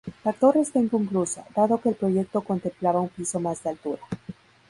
La torre está inconclusa, dado que el proyecto contemplaba un piso más de altura.